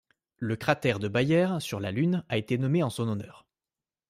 Le cratère de Bayer sur la lune a été nommé en son honneur.